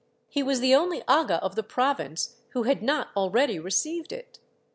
He was the only aga of the province who had not already received it.